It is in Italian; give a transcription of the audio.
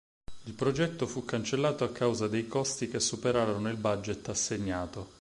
Il progetto fu cancellato a causa dei costi che superarono il budget assegnato.